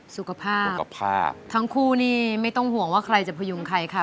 สุขภาพสุขภาพทั้งคู่นี่ไม่ต้องห่วงว่าใครจะพยุงใครค่ะ